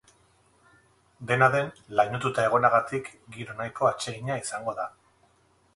Dena den, lainotuta egonagatik, giro nahiko atsegina izango da.